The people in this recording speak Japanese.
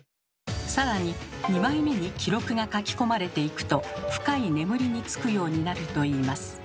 更に２枚目に記録が書き込まれていくと深い眠りにつくようになるといいます。